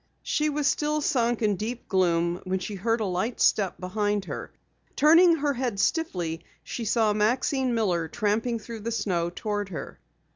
She was still sunk in deep gloom when she heard a light step behind her. Turning her head stiffly she saw Maxine Miller tramping through the snow toward her.